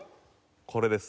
これです。